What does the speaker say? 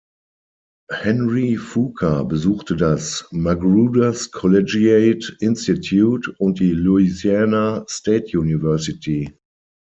Henry Fuqua besuchte das "Magruder’s Collegiate Institute" und die Louisiana State University.